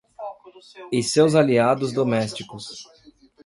e seus aliados domésticos.